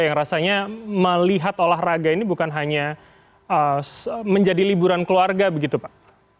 yang rasanya melihat olahraga ini bukan hanya menjadi liburan keluarga begitu pak